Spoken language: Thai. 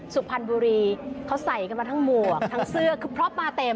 สุพรรณบุรีเขาใส่กันมาทั้งหมวกทั้งเสื้อคือเพราะมาเต็ม